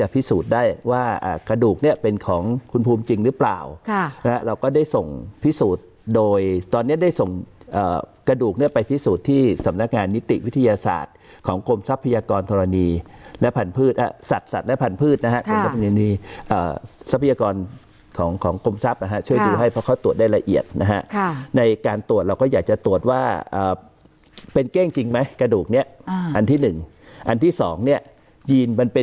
เป็นของคุณภูมิจริงหรือเปล่าค่ะแล้วเราก็ได้ส่งพิสูจน์โดยตอนนี้ได้ส่งอ่ากระดูกเนี่ยไปพิสูจน์ที่สำนักงานนิติวิทยาศาสตร์ของกลมทรัพยากรธรณีนพันธุ์พืชอ่ะสัตว์สัตว์นพันธุ์พืชนะฮะกลมทรัพยากรธรณีนีอ่าทรัพยากรของของกลมทรัพย์นะฮะช่วยดูให้เพราะเขาตรวจได